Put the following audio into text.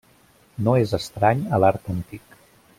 No és estrany a l'art antic.